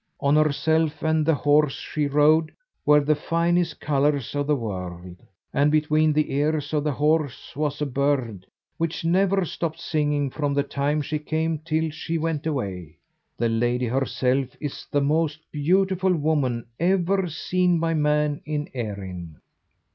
On herself and the horse she rode were the finest colours of the world, and between the ears of the horse was a bird which never stopped singing from the time she came till she went away. The lady herself is the most beautiful woman ever seen by man in Erin."